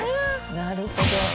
なるほど。